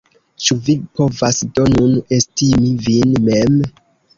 Ĉu vi povas do nun estimi vin mem?